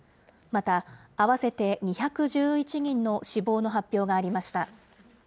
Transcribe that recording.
また合わせて２１１人の死亡の発表がありました。